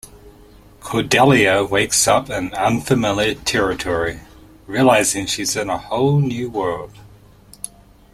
Cordelia wakes up in unfamiliar territory, realizing she's in a whole new world.